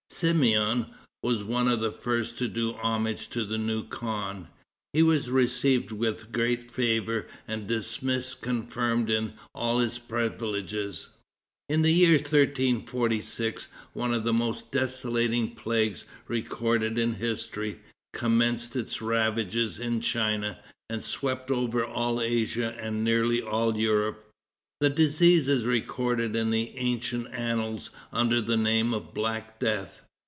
Simeon was one of the first to do homage to the new khan. He was received with great favor, and dismissed confirmed in all his privileges. In the year 1346, one of the most desolating plagues recorded in history, commenced its ravages in China, and swept over all Asia and nearly all Europe. The disease is recorded in the ancient annals under the name of Black Death.